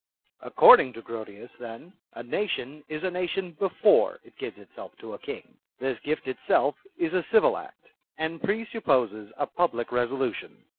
Ac cording to Grotius, then, a nation is a nation before it gives itself to a king. This gift itself is a civil act, and presupxx>ses a public resolution.